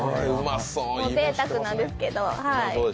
ぜいたくなんですけれども。